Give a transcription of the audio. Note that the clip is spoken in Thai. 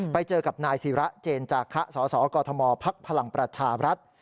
ไปเจอกับนายศิระเจนจาคะสสกมภักดิ์พลังประชาบรัฐ